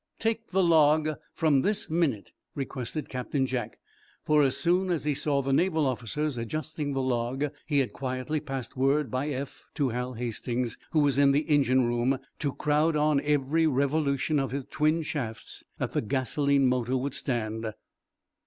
"Take the log from this minute," requested Captain Jack, for, as soon as he saw the Naval officers adjusting the log, he had quietly passed word by Eph to Hal Hastings, who was in the engine room, to crowd on every revolution of the twin shafts that the gasoline motor would stand.